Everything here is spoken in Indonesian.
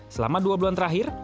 selama dua bulan terakhir